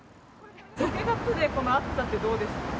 ６月でこの暑さってどうですか？